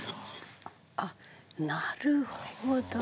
あっなるほど。